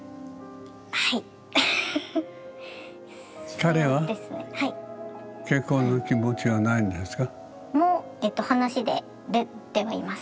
彼は結婚の気持ちはないんですか？